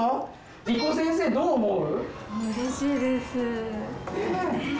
りこ先生どう思う？